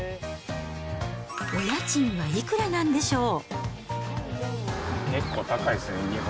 お家賃はいくらなんでしょう。